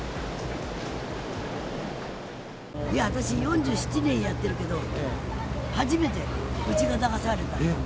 私、４７年やってるけど、初めて、うちが流されたの。